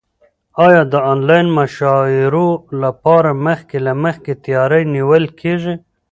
ایا د انلاین مشاعرو لپاره مخکې له مخکې تیاری نیول کیږي؟